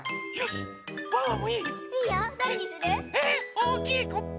⁉おおきいコップ。